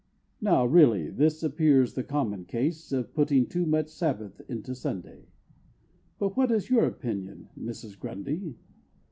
Now, really, this appears the common case Of putting too much Sabbath into Sunday But what is your opinion, Mrs. Grundy?